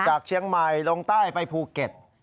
จากเชียงใหม่ลงใต้ไปภูเก็ต